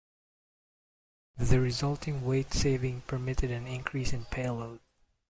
The resulting weight saving permitted an increase in payload.